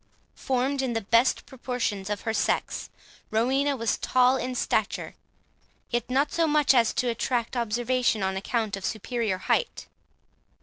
Formed in the best proportions of her sex, Rowena was tall in stature, yet not so much so as to attract observation on account of superior height.